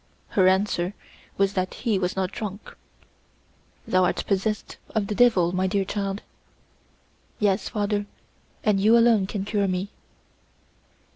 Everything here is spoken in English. Her answer was that he was not drunk. "Thou art possessed of the devil, my dear child." "Yes, father, and you alone can cure me."